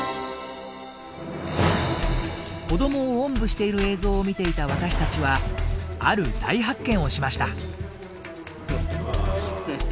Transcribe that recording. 子どもをおんぶしている映像を見ていた私たちはある大発見をしました。